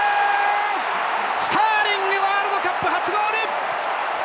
スターリングワールドカップ初ゴール！